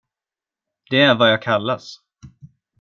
Det är vad jag kallas.